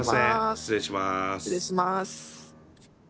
失礼します。